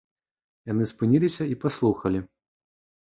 Яны спыніліся і паслухалі.